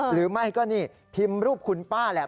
หรือไม่ก็นี่พิมพ์รูปคุณป้าแหละ